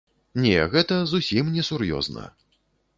Не, гэта зусім несур'ёзна.